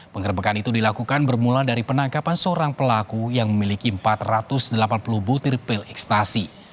pengerebekan itu dilakukan bermula dari penangkapan seorang pelaku yang memiliki empat ratus delapan puluh butir pil ekstasi